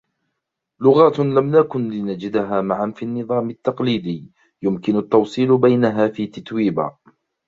لغاتٌ لم نكن لنجدها معًا في النظام التقليدي يمكن التوصيل بينها في تتويبا.